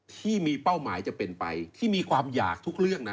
ที่มีเป้าหมายจะเป็นไปที่มีความอยากทุกเรื่องนะ